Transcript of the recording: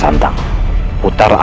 lihat yang aku lakukan